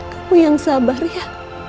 kamu yang sabar ya